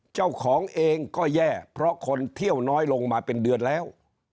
เจ้าของเองก็แย่เพราะคนเที่ยวน้อยลงมาเป็นเดือนแล้ว